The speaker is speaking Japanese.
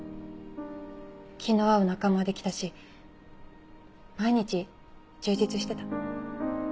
気の合う仲間できたし毎日充実してた。